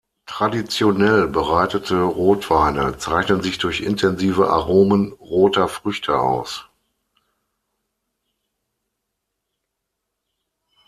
Traditionelle bereitete Rotweine zeichnen sich durch intensive Aromen roter Früchte aus.